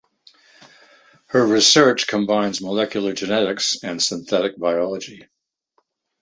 Her research combines molecular genetics and synthetic biology.